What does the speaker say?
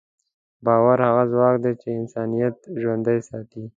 باور هغه ځواک دی چې انسانیت ژوندی ساتي.